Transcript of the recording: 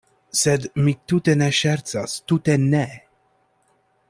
Sed mi tute ne ŝercas, tute ne.